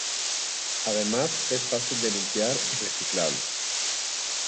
Además es fácil de limpiar y reciclable.